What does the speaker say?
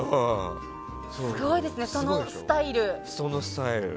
すごいですね、そのスタイル。